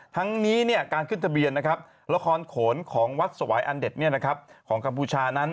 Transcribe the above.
ทั้งนี้การขึ้นทะเบียนนะครับละครโขนของวัดสวายอันเด็ดของกัมพูชานั้น